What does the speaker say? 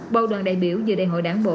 bầu đoàn đại biểu dự đại hội đảng bộ